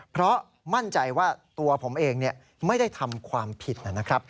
เพราะมั่นใจว่าตัวผมเองไม่ได้ทำความผิดนะครับ